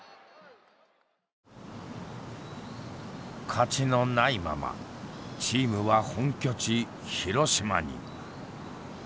勝ちのないままチームは本拠地広島に。